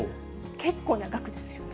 結構な額ですよね。